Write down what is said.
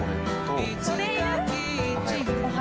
いつかキッチンを